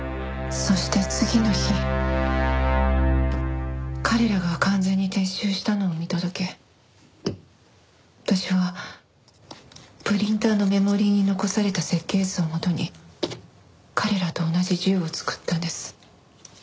そして次の日彼らが完全に撤収したのを見届け私はプリンターのメモリーに残された設計図を元に彼らと同じ銃を作ったんです。